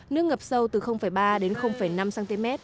nước ngập sâu từ ba đến năm cm